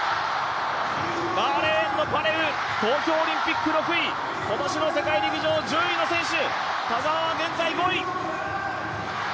バーレーンのバレウ、東京オリンピック６位、今年の世界陸上１０位の選手。